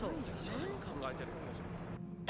・何考えてるんだ！